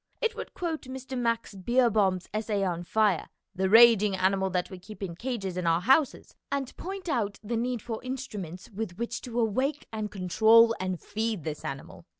It w T ouid quote Mr. Max Beerbohm's essay on fire, the raging animal that we keep in cages in our houses, and point out the need for instruments with 268 MONOLOGUES which to awake and control and feed this animal.